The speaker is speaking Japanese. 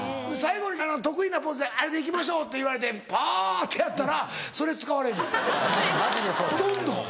「最後に得意なポーズあれで行きましょう」って言われて「パ」ってやったらそれ使われんの。